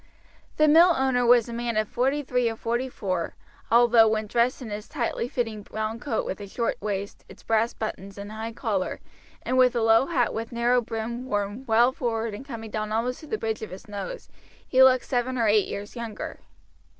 The mill owner was a man of forty three or forty four, although when dressed in his tightly fitting brown coat with its short waist, its brass buttons, and high collar, and with a low hat with narrow brim worn well forward and coming down almost to the bridge of his nose, he looked seven or eight years younger.